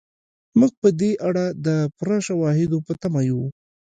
موږ په دې اړه د پوره شواهدو په تمه یو.